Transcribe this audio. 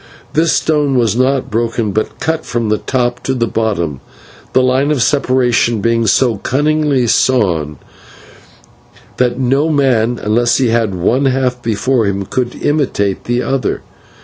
This stone was not broken, but cut from the top to the bottom, the line of separation being so cunningly sawn that no man, unless he had one half before him, could imitate the other.